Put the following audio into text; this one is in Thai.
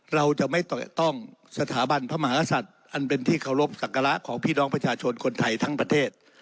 เราจะไม่แตะต้องสถาบันพระมหากษัตริย์อันเป็นที่เคารพสักการะของพี่น้องประชาชนคนไทยทั้งประเทศ